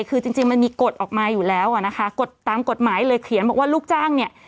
คือจริงมันมีกฎออกมาอยู่แล้วอ่ะนะคะกฎตามกฎหมายเลยเขียนบอกว่าลูกจ้างเนี่ย